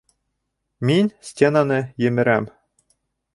Мин стенаны емерәм!